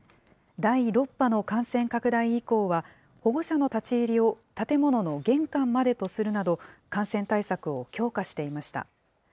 第６波の感染拡大以降は、保護者の立ち入りを建物の玄関までとするなど、感染対策を強化していました。